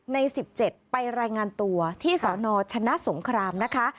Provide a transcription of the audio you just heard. ใน๑๗ไปรายงานตัวที่สนชนะสงครามนะคะ